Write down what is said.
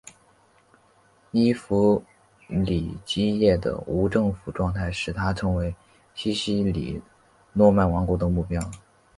伊弗里基叶的无政府状态使它成为西西里诺曼王国的目标。